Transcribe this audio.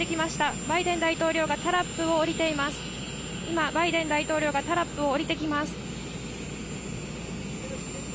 今、バイデン大統領がタラップを下りてきます。